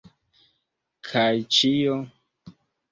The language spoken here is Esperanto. Kaj ĉio.